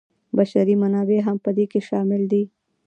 بشري منابع هم په دې کې شامل دي.